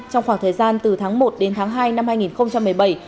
trong khoảng thời gian từ tháng một đến tháng hai năm hai nghìn một mươi bảy